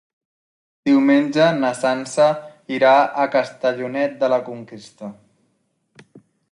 Diumenge na Sança irà a Castellonet de la Conquesta.